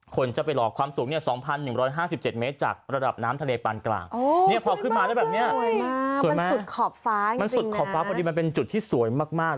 คนจะไปหลอกความสูงเนี่ย๒๑๕๗เมตรจากระดับน้ำทะเลปลานกลาง